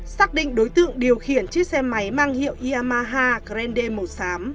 xác định đối tượng điều khiển chiếc xe máy mang hiệu yamaha grand d một sáu